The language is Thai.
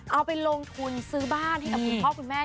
เอาไปลงทุนซื้อบ้านให้กับคุณพ่อคุณแม่